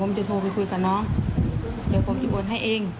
ผมจะโทรไปคุยกับน้องเดี๋ยวผมจะโอนให้เอง